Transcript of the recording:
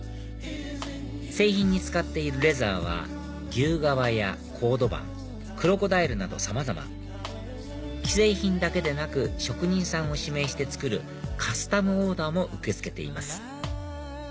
製品に使っているレザーは牛革やコードバンクロコダイルなどさまざま既製品だけでなく職人さんを指名して作るカスタムオーダーも受け付けています